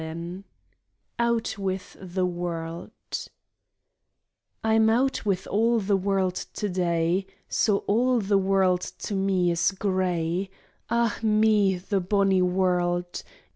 67 OUT WITH THE WORLD I 'm out with all the world to day, So all the world to me is gray — Ah me, the bonny world